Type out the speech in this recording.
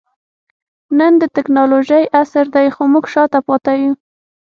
نن د ټکنالوجۍ عصر دئ؛ خو موږ شاته پاته يو.